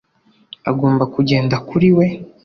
agomba kugenda kuri we